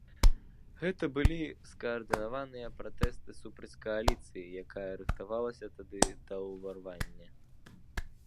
Гэта былі скаардынаваныя пратэсты супраць кааліцыі, якая рыхтавалася тады да ўварвання.